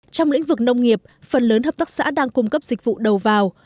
trong lĩnh vực nông nghiệp phần lớn hợp tác xã đang cung cấp dịch vụ đầu vào